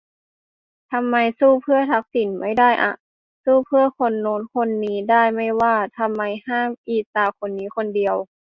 ทำไม สู้เพื่อทักษิณ ไม่ได้อ่ะ ? สู้เพื่อคนโน้นคนนี้ได้ไม่ว่า ทำไมห้ามอีตาคนนี้คนเดียว